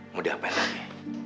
mudah apaan lagi